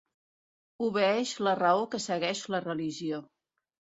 Obeeix la raó que segueix la religió.